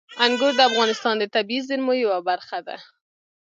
انګور د افغانستان د طبیعي زیرمو یوه برخه ده.